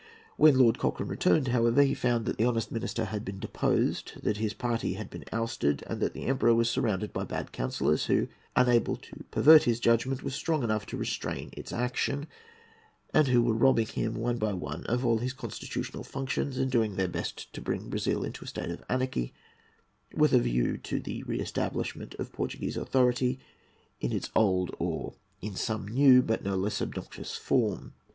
When Lord Cochrane returned, however, he found that the honest minister had been deposed, that his party had been ousted, and that the Emperor was surrounded by bad counsellors, who, unable to pervert his judgment, were strong enough to restrain its action, and who were robbing him, one by one, of all his constitutional functions, and doing their best to bring Brazil into a state of anarchy, with a view to the re establishment of Portuguese authority in its old or in some new but no less obnoxious form.